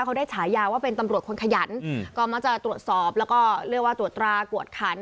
เขาได้ฉายาว่าเป็นตำรวจคนขยันก็มักจะตรวจสอบแล้วก็เรียกว่าตรวจตรากวดขัน